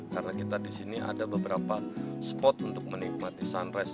karena kita di sini ada beberapa spot untuk menikmati sunrise